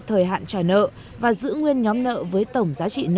thời hạn trả nợ và giữ nguyên nhóm nợ với tổng giá trị nợ